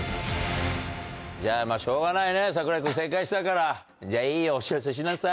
じゃあまぁしょうがないね櫻井君正解したからいいよお知らせしなさい。